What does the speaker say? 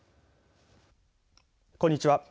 こんにちは。